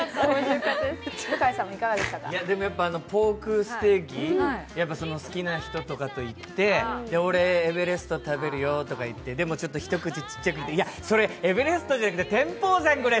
ポークステーキ、好きな人とかと行って俺エベレスト食べるよとか言ってでも、ちょっと一口ちっちゃくってそれエベレストじゃなくて天保山くらい。